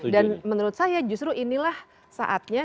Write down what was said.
dan menurut saya justru inilah saatnya